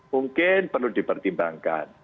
mungkin perlu dipertimbangkan